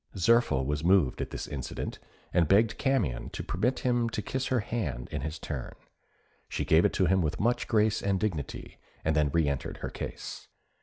Zirphil was moved at this incident, and begged Camion to permit him to kiss her hand in his turn: she gave it him with much grace and dignity, and then re entered her case.